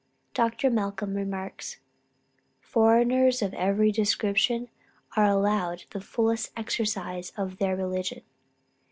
Dr. Malcom remarks: "Foreigners of every description are allowed the fullest exercise of their religion.